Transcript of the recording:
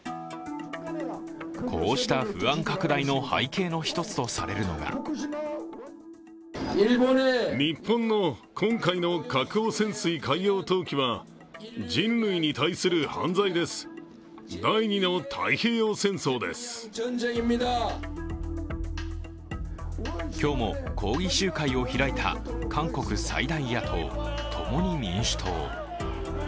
こうした不安拡大の背景の１つとされるのが今日も抗議集会を開いた韓国最大野党、共に民主党。